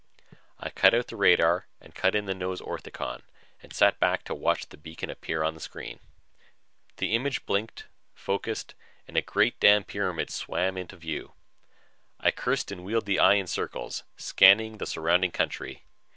I cut out the radar and cut in the nose orthicon and sat back to watch the beacon appear on the screen. The image blinked, focused and a great damn pyramid swam into view. I cursed and wheeled the eye in circles, scanning the surrounding country.